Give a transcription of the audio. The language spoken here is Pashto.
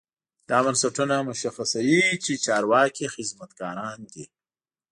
دا بنسټونه مشخصوي چې چارواکي خدمتګاران دي.